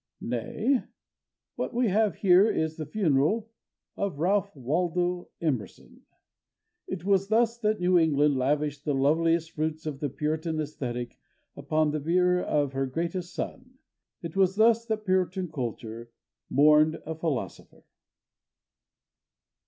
Nay. What we have here is the funeral of Ralph Waldo Emerson. It was thus that New England lavished the loveliest fruits of the Puritan æsthetic upon the bier of her greatest son. It was thus that Puritan Kultur mourned a philosopher.